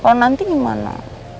kalau nanti gimana